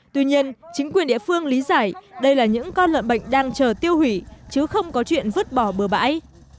tuy nhiên chính quyền địa phương lý giải đây là những con lợn bệnh đang chờ tiêu hủy chứ không có chuyện vứt bỏ bờ bãi